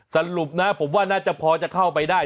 สรุปนะผมว่าน่าจะพอจะเข้าไปได้